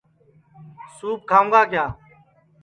سُوپ کھاؤں گا